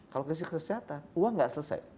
kalau krisis kesehatan uang nggak selesai